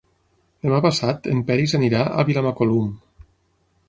Demà passat en Peris anirà a Vilamacolum.